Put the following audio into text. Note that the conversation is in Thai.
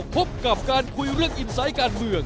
พบกับการคุยเรื่องอินไซต์การเมือง